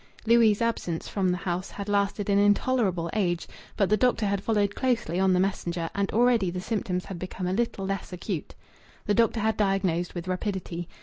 Louis' absence from the house had lasted an intolerable age, but the doctor had followed closely on the messenger, and already the symptoms had become a little less acute. The doctor had diagnosed with rapidity.